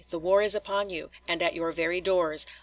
the war is upon you, and at your very doors.